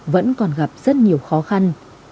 vẫn còn gặp rất nhiều khó khăn